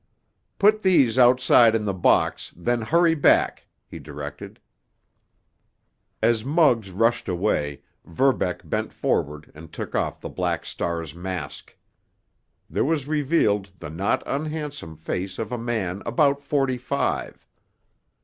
"Put these outside in the box, then hurry back," he directed. As Muggs rushed away, Verbeck bent forward and took off the Black Star's mask. There was revealed the not unhandsome face of a man about forty five.